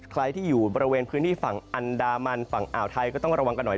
ใครที่อยู่บริเวณพื้นที่ฝั่งอันดามันฝั่งอ่าวไทยก็ต้องระวังกันหน่อย